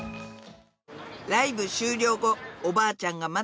ライブ終了後おばあちゃんが待つホテルへ